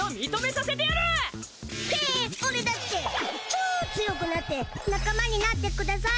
チョ強くなって仲間になってください